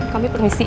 kami permisi yuk